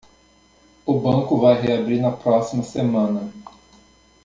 O banco vai reabrir na próxima semana.